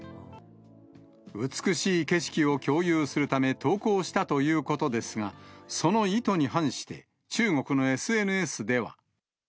美しい景色を共有するため投稿したということですが、その意図に反して、中国のＳＮＳでは。